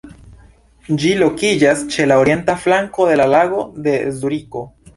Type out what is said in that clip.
Ĝi lokiĝas ĉe la orienta flanko de la "Lago de Zuriko".